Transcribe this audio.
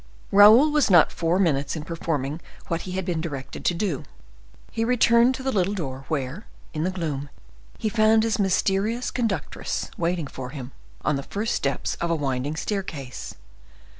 Raoul was not four minutes in performing what he had been directed to do; he returned to the little door, where, in the gloom, he found his mysterious conductress waiting for him, on the first steps of a winding staircase.